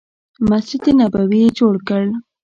مسجد نبوي یې جوړ کړ.